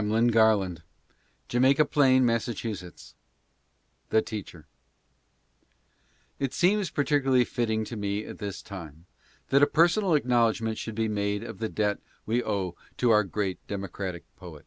HAMLIN GARLAND: Jamaica Plain, Mass. THE TEACHER. It seems peculiarly fitting to me at this time that a personal acknowledgment should be made of the debt that we owe to our great democratic poet.